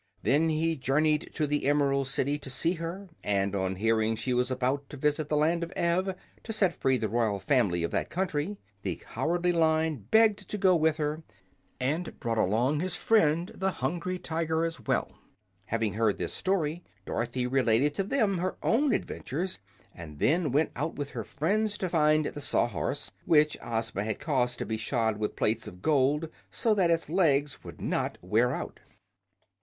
Then he journeyed to the Emerald City to see her, and on hearing she was about to visit the Land of Ev to set free the royal family of that country, the Cowardly Lion begged to go with her, and brought along his friend, the Hungry Tiger, as well. Having heard this story, Dorothy related to them her own adventures, and then went out with her friends to find the Sawhorse, which Ozma had caused to be shod with plates of gold, so that its legs would not wear out.